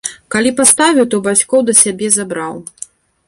Калі паставіў, то бацькоў да сябе забраў.